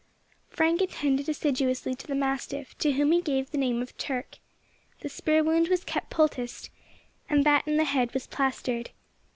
Frank attended assiduously to the mastiff, to whom he gave the name of Turk. The spear wound was kept poulticed, and that in the head was plastered.